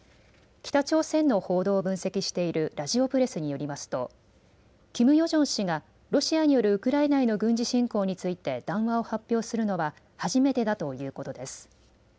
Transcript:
北朝鮮の報道を分析しているラヂオプレスによりますとキム・ヨジョン氏がロシアによるウクライナへの軍事侵攻について談話を発表するのは初めてだということです。